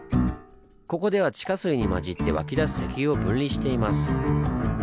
ここでは地下水に混じって湧き出す石油を分離しています。